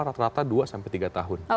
rata rata dua sampai tiga tahun